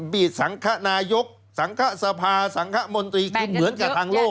บีดสังขนายกสังคสภาสังคมนตรีคือเหมือนกับทางโลก